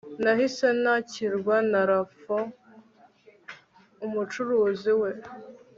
nahise nakirwa na lafont, umucuruzi we